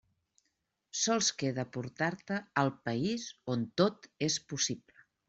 Sols queda portar-te al País on Tot és Possible.